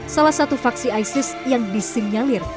salah satu faksi isis yang disinyalir